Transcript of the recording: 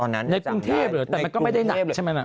ในกรุงเทพเหรอแต่มันก็ไม่ได้หนักเลยใช่ไหม